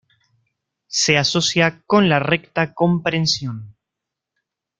Se asocia con la Recta Comprensión.